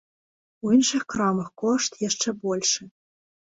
У іншых крамах кошт яшчэ большы.